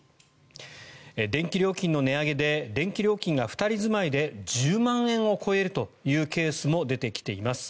電気料金の値上げで電気料金が２人住まいで１０万円を超えるというケースも出てきています。